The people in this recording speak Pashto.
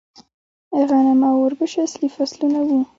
غنم او وربشې اصلي فصلونه وو